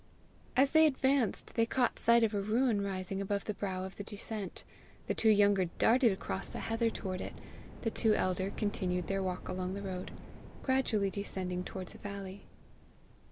As they advanced they caught sight of a ruin rising above the brow of the descent: the two younger darted across the heather toward it; the two elder continued their walk along the road, gradually descending towards a valley.